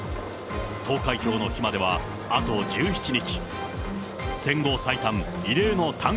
投開票の日まではあと１７日。